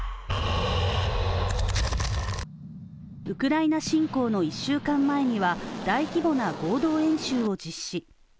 ウクライナ侵攻の１週間前には大規模な合同演習を実施。